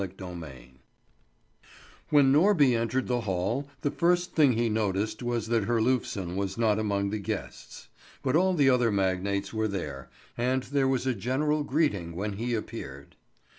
CHAPTER IX WHEN Norby entered the hall, the first thing he noticed was that Herlufsen was not among the guests; but all the other magnates were there, and there was a general greeting when he appeared.